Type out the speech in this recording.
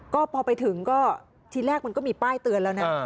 ก็พอไปถึงก็ทีแรกมันก็มีป้ายเตือนแล้วนะ